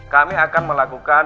kami akan melakukan